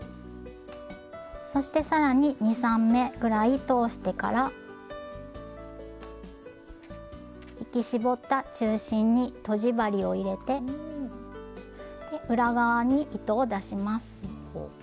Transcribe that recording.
そして更に２３目ぐらい通してから引き絞った中心にとじ針を入れて裏側に糸を出します。